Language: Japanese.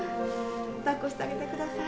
抱っこしてあげてください